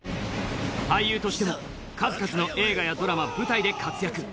俳優としても数々の映画やドラマ舞台で活躍